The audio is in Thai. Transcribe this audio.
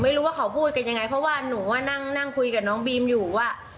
ไม่รู้ว่าเขาพูดกันยังไงเพราะว่าหนูนั่งคุยกับน้องบีมอยู่ว่า